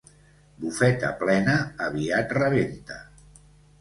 Bufeta plena aviat rebenta.